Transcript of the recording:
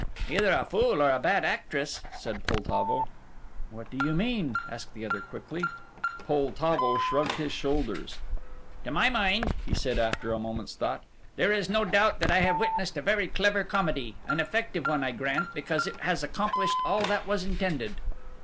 "Either a fool or a bad actress," said Poltavo. "What do you mean?" asked the other quickly. Poltavo shrugged his shoulders. "To my mind," he said after a moment's thought, "there is no doubt that I have witnessed a very clever comedy. An effective one, I grant, because it has accomplished all that was intended."